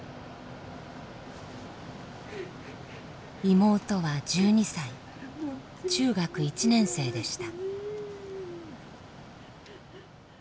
妹は１２歳中学１年生でした。